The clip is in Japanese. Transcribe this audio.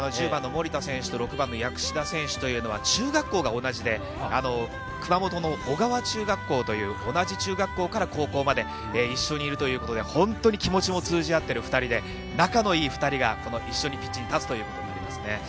１０番の森田選手と６番の薬師田選手というのは中学校が同じで、熊本の小川中学校という同じ中学校から高校まで一緒にいるということで本当に気持ちも通じ合っている２人で、仲の良い２人が一緒にピッチに立つということになります。